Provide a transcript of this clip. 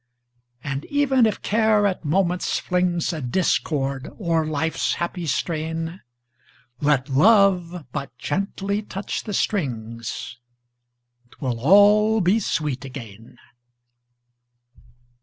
And even if Care at moments flings A discord o'er life's happy strain, Let Love but gently touch the strings, 'Twill all be sweet again!